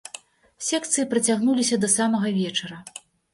Секцыі працягнуліся да самага вечара.